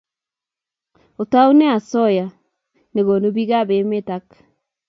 Otoune osoya nekonu bikap emet ak k